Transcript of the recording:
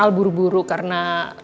al buru buru karena